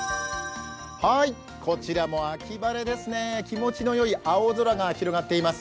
こちらも秋晴れですね、気持ちの良い青空が広がっています。